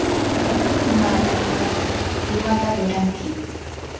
markamasi, ¿imata ruranki?